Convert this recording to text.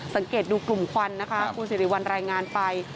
สังเกตดูกลุ่มควันนะคะคุณสิริวัลรายงานไป